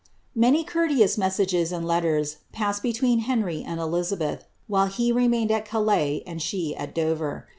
'' Many courteous messages and letters passed between Henry and Eli abeth, while he remained at Calais and she at Dover.